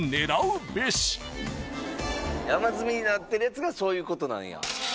山積みになってるやつがそういうことなんや。